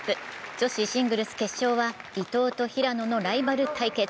女子シングルス決勝は伊藤と平野のライバル対決。